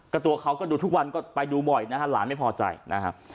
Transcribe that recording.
ก็ตัวเขาก็ดูทุกวันก็ไปดูบ่อยนะฮะหลานไม่พอใจนะครับ